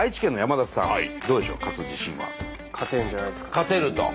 勝てると。